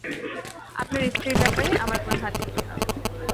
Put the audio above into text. আপনার স্ত্রীর ব্যাপারে, আমার কোনো হাত ছিল না।